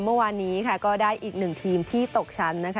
เมื่อวานนี้ค่ะก็ได้อีกหนึ่งทีมที่ตกชั้นนะคะ